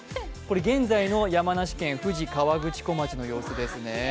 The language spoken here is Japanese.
現在の山梨県富士河口湖町の様子ですね。